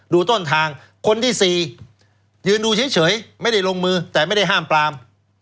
ต้นทางคนที่๔ยืนดูเฉยไม่ได้ลงมือแต่ไม่ได้ห้ามปราม